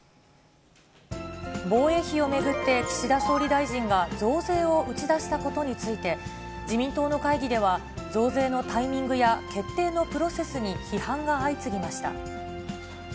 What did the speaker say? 防衛費を巡って、岸田総理大臣が増税を打ち出したことについて、自民党の会議では増税のタイミングや決定のプロセスに批判が相次ぎました。